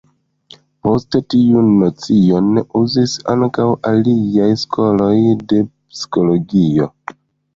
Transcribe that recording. Poste tiun nocion uzis ankaŭ aliaj skoloj de psikologio.